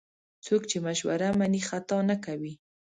څوک چې مشوره مني، خطا نه کوي.